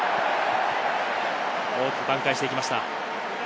大きく挽回していきました。